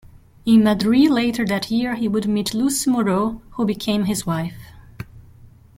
in Madrid later that year he would meet Luce Moreau, who became his wife.